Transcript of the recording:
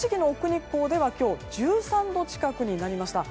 日光では今日１３度近くになりました。